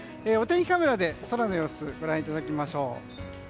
お天気カメラで空の様子ご覧いただきましょう。